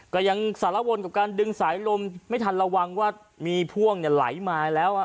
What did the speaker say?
ก็ยังสารวนกับการดึงสายลมไม่ทันระวังว่ามีพ่วงไหลมาแล้ว